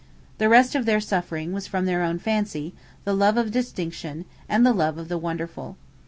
The rest of their suffering was from their own fancy, the love of distinction, and the love of the wonderful.